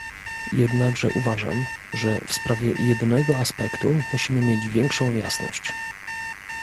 Jednakże uważam, że w sprawie jednego aspektu musimy mieć większą jasność